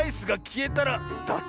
え。